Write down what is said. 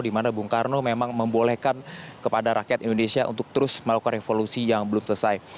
di mana bung karno memang membolehkan kepada rakyat indonesia untuk terus melakukan revolusi yang belum selesai